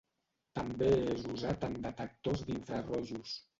També és usat en detectors d'infrarojos.